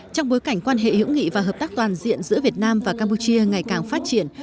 trong bối cảnh quan hệ hữu nghị và hợp tác toàn diện giữa việt nam và campuchia ngày càng phát triển